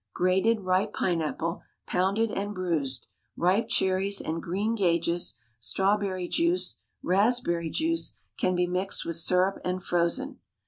Grated ripe pine apple, pounded and bruised, ripe cherries and greengages, strawberry juice, raspberry juice, can be mixed with syrup and frozen.